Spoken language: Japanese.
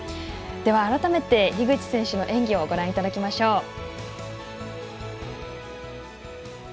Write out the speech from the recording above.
改めて樋口選手の演技をご覧いただきましょう。